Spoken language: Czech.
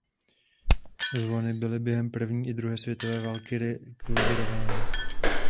Zvony byly během první i druhé světové války rekvírovány.